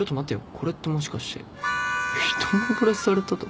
これってもしかしてひと目ぼれされたとか？